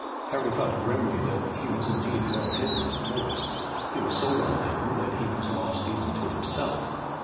Harry thought grimly that he was indeed well hidden in the forest. He was so well hidden that he was lost even to himself.